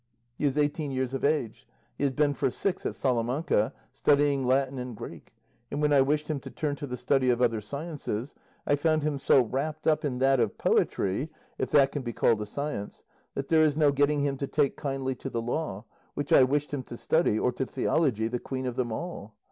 He is eighteen years of age; he has been for six at Salamanca studying Latin and Greek, and when I wished him to turn to the study of other sciences I found him so wrapped up in that of poetry (if that can be called a science) that there is no getting him to take kindly to the law, which I wished him to study, or to theology, the queen of them all.